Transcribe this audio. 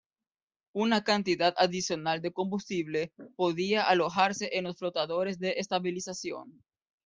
Una cantidad adicional de combustible podía alojarse en los flotadores de estabilización.